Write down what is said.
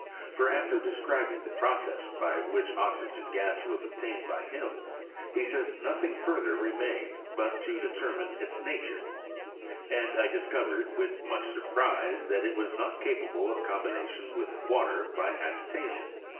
For after describing: the process by which oxygen gas was obtamed by him, he says nothing further remained but to determina its nature, and " I discovered with muck surprise that it was not capable of combination with water by agitation," &c.